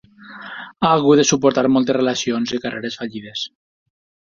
Ha hagut de suportar moltes relacions i carreres fallides.